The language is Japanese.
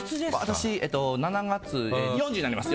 私、７月で４０になります。